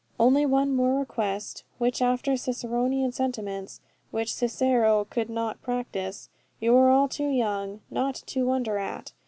Only one more request, which after Ciceronian sentiments which Cicero could not practise you are all too young not to wonder at.